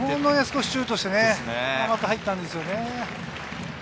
シュートして甘く入ったんですよね。